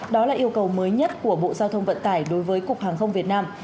đó là yêu cầu mới nhất của bộ giao thông vận tải đối với cục hàng không việt nam